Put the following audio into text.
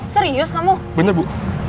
serius kamu bener bu